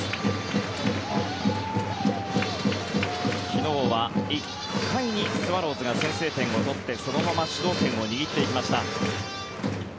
昨日は１回にスワローズが先制点を取ってそのまま主導権を握っていきました。